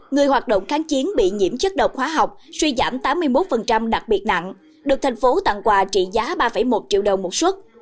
người hoạt động kháng chiến bị nhiễm chất độc hóa học suy giảm tám mươi một đặc biệt nặng được thành phố tặng quà trị giá ba một triệu đồng một xuất